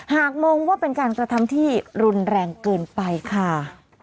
หากมองว่าเป็นการกระทำที่รุนแรงเกินไปค่ะ